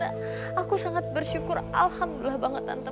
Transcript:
aku sangat bersyukur alhamdulillah banget tante